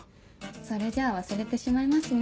それじゃあ忘れてしまいますね。